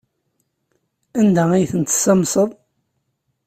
Anda ay ten-tessamseḍ?